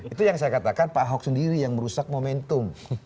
itu yang saya katakan pak ahok sendiri yang merusak momentum